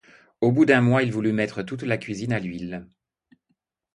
Au bout d'un mois, il voulut mettre toute la cuisine à l'huile.